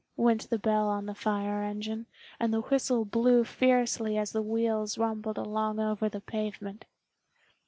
went the bell on the fire engine, and the whistle blew fiercely as the wheels rumbled along over the pavement.